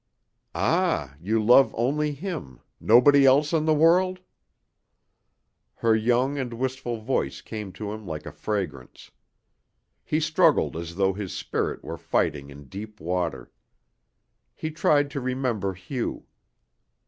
'" "Ah you love only him nobody else in all the world?" Her young and wistful voice came to him like a fragrance. He struggled as though his spirit were fighting in deep water. He tried to remember Hugh.